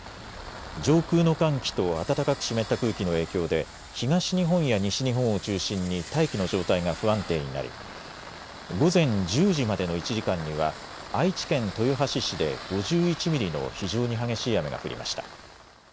上空の寒気と暖かく湿った空気の影響で東日本や西日本を中心に大気の状態が不安定になり午前１０時までの１時間には愛知県豊橋市で５１ミリの非常に激しい雨が降りました。